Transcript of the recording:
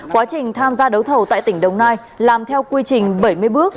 quá trình tham gia đấu thầu tại tỉnh đồng nai làm theo quy trình bảy mươi bước